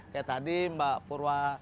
kayak tadi mbak purwa